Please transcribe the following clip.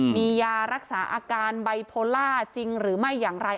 มียารักษาอาการไบโพล่าจริงหรือไม่อย่างไร